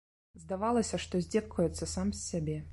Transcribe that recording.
Здавалася, што здзекуецца сам з сябе.